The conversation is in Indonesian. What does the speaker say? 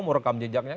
mau rekam jejaknya